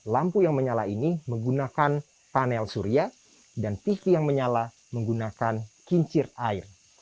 lampu yang menyala ini menggunakan panel surya dan tv yang menyala menggunakan kincir air